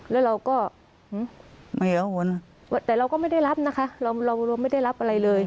แล้วเราก็แต่เราก็ไม่ได้รับนะคะเรารวมไม่ได้รับอะไรเลย